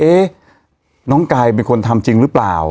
น้องกายเป็นคนทำจริงหรือเปล่า